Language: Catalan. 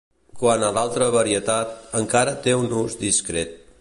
Quant a l'altra varietat, encara té un ús discret.